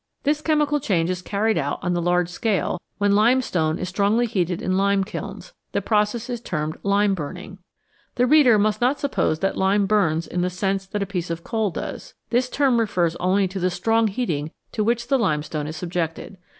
This chemical change is carried out on the large scale when limestone is strongly heated in lime kilns ; the process is termed "lime burning." The reader must not suppose that lime burns in the sense that a piece of coal does ; the term refers only to the strong heating to which the limestone is subjected.